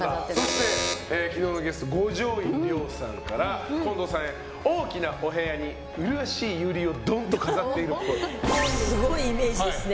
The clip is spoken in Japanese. そして、昨日のゲスト五条院凌さんから近藤さんは大きなお部屋に麗しいユリをすごいイメージですね。